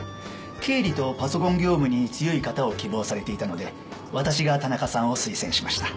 経理とパソコン業務に強い方を希望されていたので私が田中さんを推薦しました。